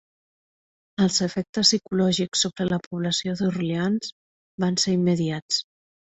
Els efectes psicològics sobre la població d'Orleans van ser immediats.